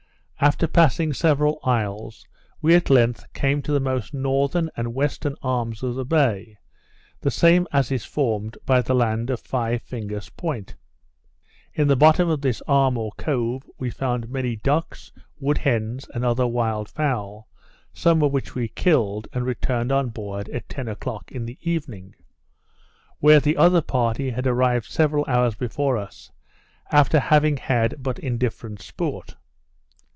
After passing several isles, we at length came to the most northern and western arms of the bay; the same as is formed by the land of Five Fingers Point. In the bottom of this arm or cove, we found many ducks, wood hens, and other wild fowl, some of which we killed, and returned on board at ten o'clock in the evening; where the other party had arrived several hours before us, after having had but indifferent sport.